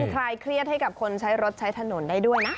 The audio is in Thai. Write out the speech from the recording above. คลายเครียดให้กับคนใช้รถใช้ถนนได้ด้วยนะ